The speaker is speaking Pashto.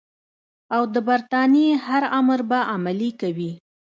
او د برټانیې هر امر به عملي کوي.